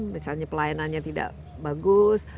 misalnya pelayanannya tidak bagus